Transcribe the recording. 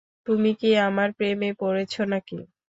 তুমি কি আমার প্রেমে পড়েছ নাকি?